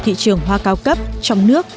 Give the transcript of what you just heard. thị trường hoa cao cấp trong nước